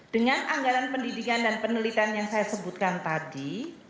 dengan anggaran pendidikan dan penelitian yang saya sebutkan tadi